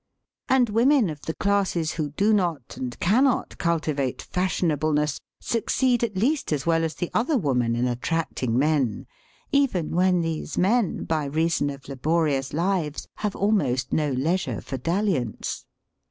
And women of the classes who do not and cannot cultivate fashionableness succeed at least as well as the other woman in attracting men, even when these men by reason of laborious lives have almost no leisure for dalliance.